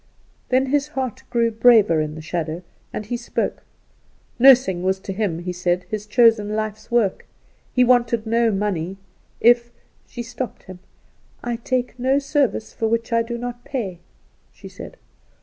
Then his heart grew braver in the shadow, and he spoke. Nursing was to him, he said, his chosen life's work. He wanted no money if She stopped him. "I take no service for which I do not pay," she said.